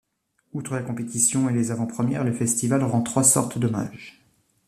Outre la compétition et les avant-premières, le festival rend trois sortes d'hommage.